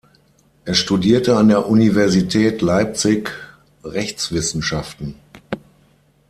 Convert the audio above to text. Er studierte an der Universität Leipzig Rechtswissenschaften.